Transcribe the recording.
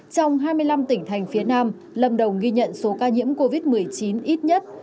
trong hai mươi năm tỉnh thành phía nam lâm đồng ghi nhận số ca nhiễm covid một mươi chín ít nhất